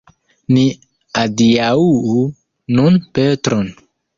Ni adiaŭu nun Petron.